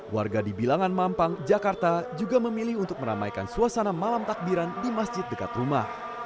warga di bilangan mampang jakarta juga memilih untuk meramaikan suasana malam takbiran di masjid dekat rumah